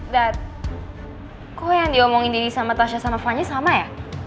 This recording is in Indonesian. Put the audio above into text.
dad kok yang diomongin tadi sama tasya sama fanny sama ya